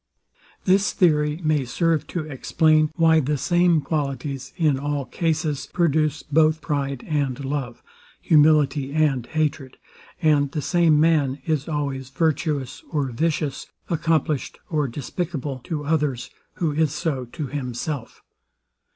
This theory may serve to explain, why the same qualities, in all cases, produce both pride and love, humility and hatred; and the same man is always virtuous or vicious, accomplished or despicable to others, who is so to himself.